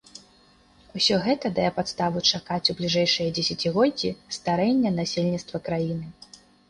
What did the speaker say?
Усё гэта дае падставу чакаць у бліжэйшыя дзесяцігоддзі старэння насельніцтва краіны.